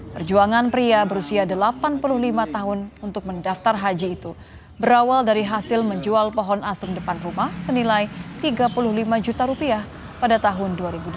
perjuangan pria berusia delapan puluh lima tahun untuk mendaftar haji itu berawal dari hasil menjual pohon asem depan rumah senilai tiga puluh lima juta rupiah pada tahun dua ribu dua puluh